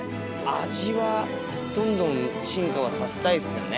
味はどんどん、進化はさせたいっすよね。